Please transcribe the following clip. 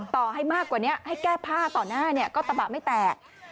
ต่อให้มากกว่านี้ให้แก้ผ้าต่อหน้าเนี่ยก็กระบะไม่แตก